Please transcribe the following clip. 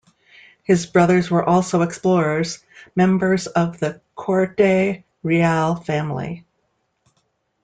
His brothers were also explorers, members of the Corte-Real family.